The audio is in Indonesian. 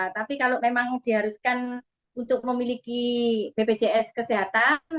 tapi kalau memang diharuskan untuk memiliki bpjs kesehatan